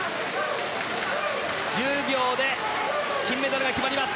１０秒で金メダルが決まります。